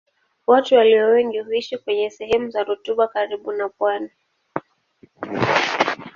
Watu walio wengi huishi kwenye sehemu za rutuba karibu na pwani.